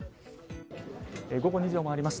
午後２時を回りました。